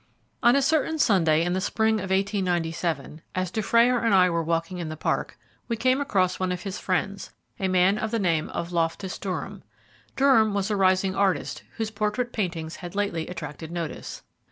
ON a certain Sunday in the spring of 1897, as Dufrayer and I were walking in the Park, we came across one of his friends, a man of the name of Loftus Durham. Durham was a rising artist, whose portrait paintings had lately attracted notice.